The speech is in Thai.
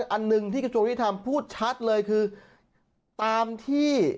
อันหนึ่งที่กระทรวงยุทธรรมพูดชัดเลยคือตามที่